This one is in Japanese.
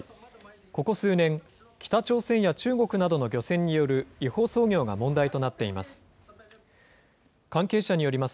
ここ数年、北朝鮮や中国などの漁船による違法操業が問題となっています。